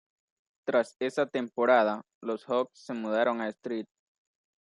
Tras esa temporada, los Hawks se mudaron a St.